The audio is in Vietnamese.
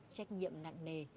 trách nhiệm nặng nề